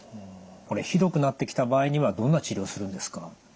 これひどくなってきた場合にはどんな治療をするんですか？